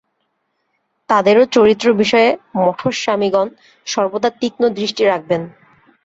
তাদেরও চরিত্র-বিষয়ে মঠস্বামিগণ সর্বদা তীক্ষ্ণ দৃষ্টি রাখবেন।